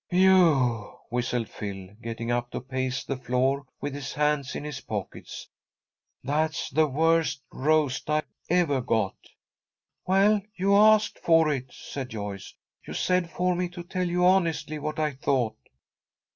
"Whew!" whistled Phil, getting up to pace the floor, with his hands in his pockets. "That's the worst roast I ever got." "Well, you asked for it," said Joyce. "You said for me to tell you honestly what I thought."